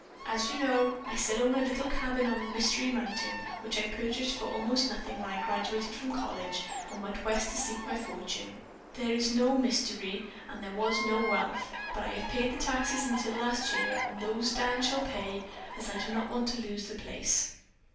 As you know, I still own a little cabin on Mystery Mountain which I purchased for almost nothing when I graduated from college and went West to seek my fortune. There is no mystery, and there was no wealth, but I have paid the taxes until last year and those Dan shall pay, as I do not want to lose the place.